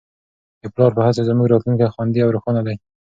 د پلار په هڅو زموږ راتلونکی خوندي او روښانه دی.